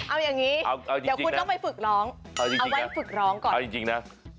เอาอย่างนี้เดี๋ยวคุณก็ไปฝึกร้องเอาไว้ฝึกร้องก่อน